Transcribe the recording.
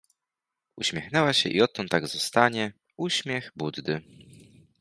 Uśmiechnęła się i odtąd tak zostanie: uśmiech Buddy.